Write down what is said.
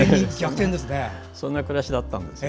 そんな暮らしだったんです。